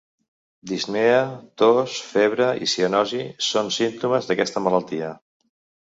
Dispnea, tos, febre i cianosi són símptomes d'aquesta malaltia.